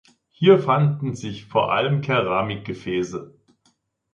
Hier fanden sich vor allem Keramikgefäße.